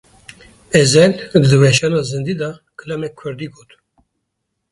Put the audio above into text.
Ezhel di weşana zindî de kilameke kurdî got.